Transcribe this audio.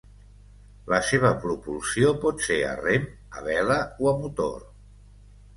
La seva propulsió pot ser a rem, a vela o a motor.